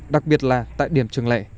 đặc biệt là tại điểm trường lẻ